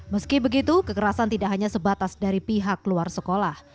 meski begitu kekerasan tidak hanya sebatas dari pihak luar sekolah